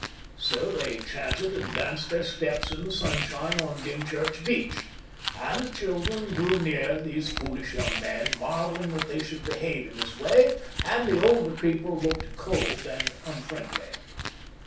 So they chanted and danced their steps in the sunshine on Dymchurch beach, and the children drew near these foolish young men, marvelling that they should behave in this way, and the older people looked cold and unfriendly.